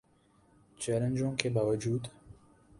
چیلنجوں کے باوجو